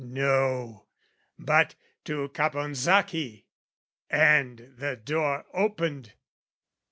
No, but "to Caponsacchi!" And the door Opened.